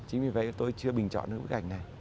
chính vì vậy tôi chưa bình chọn được bức ảnh này